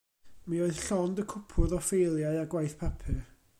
Mi oedd llond y cwpwrdd o ffeiliau a gwaith papur.